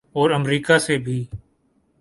اور امریکہ سے بھی۔